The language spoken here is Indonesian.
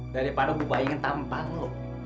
daripada gue bayangin tampak lo